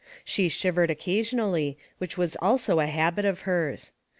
She shivered occasionally, which was also a habit of hers.